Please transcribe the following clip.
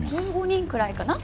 １５人くらいかな？